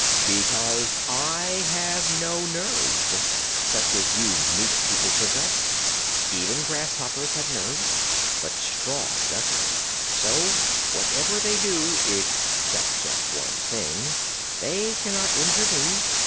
"Because I have no nerves, such as you meat people possess. Even grasshoppers have nerves, but straw doesn't; so whatever they do except just one thing they cannot injure me.